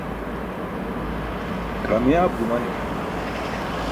kamiyaab gumaniṣ